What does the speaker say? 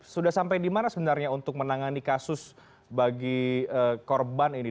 sudah sampai di mana sebenarnya untuk menangani kasus bagi korban ini